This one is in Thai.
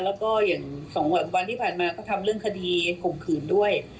แล้วก็อย่าง๒วันที่ผ่านมาก็ทำเรื่องคดีข่มขืนด้วย